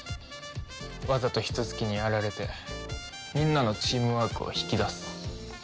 わざとヒトツ鬼にやられてみんなのチームワークを引き出す。